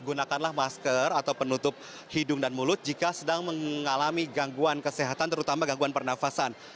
gunakanlah masker atau penutup hidung dan mulut jika sedang mengalami gangguan kesehatan terutama gangguan pernafasan